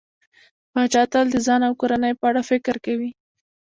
پاچا تل د ځان او کورنۍ په اړه فکر کوي.